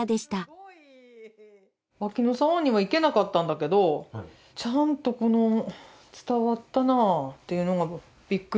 脇野沢には行けなかったんだけどちゃんとこの伝わったなっていうのがびっくり。